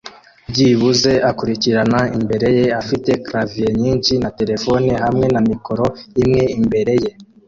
byibuze akurikirana imbere ye afite clavier nyinshi na terefone hamwe na mikoro imwe imbere ye.